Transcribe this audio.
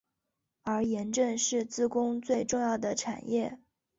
而盐正是自贡最重要的产业。